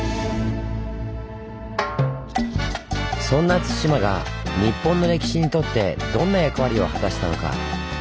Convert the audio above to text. そんな対馬が日本の歴史にとってどんな役割を果たしたのか？